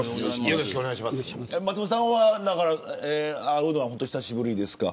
松本さんは会うのは久しぶりですか。